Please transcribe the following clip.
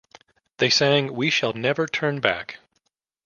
They sang, We Shall Never Turn Back.